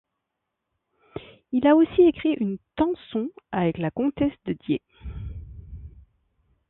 Il a aussi écrit une tenson avec la Comtesse de Die.